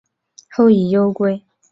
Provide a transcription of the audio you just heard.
后以忧归。